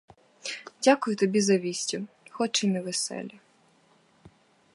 Дякую тобі за вісті, хоч і невеселі.